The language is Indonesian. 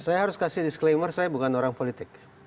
saya harus kasih disclaimer saya bukan orang politik